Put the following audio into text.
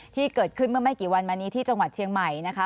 ที่เกิดขึ้นเมื่อไม่กี่วันมานี้ที่จังหวัดเชียงใหม่นะคะ